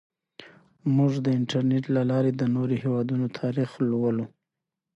موږ د انټرنیټ له لارې د نورو هیوادونو تاریخ لولو.